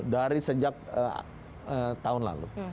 dari sejak tahun lalu